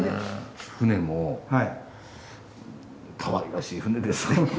槽もかわいらしい槽ですね。